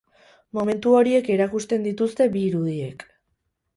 Momentu horiek erakusten dituzte bi irudiek.